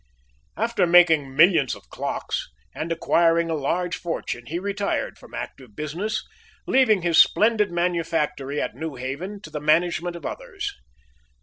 After making millions of clocks, and acquiring a large fortune, he retired from active business, leaving his splendid manufactory at New Haven to the management of others.